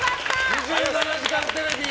「２７時間テレビ」